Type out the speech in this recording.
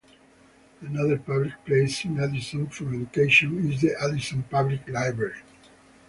Another public place in Addison for education is the Addison Public Library.